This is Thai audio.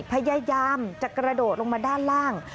พยายามจะกระโดดลงมาด้านล่าง